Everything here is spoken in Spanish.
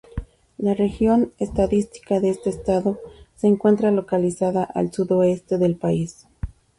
La región estadística de este Estado se encuentra localizada al sudoeste del país.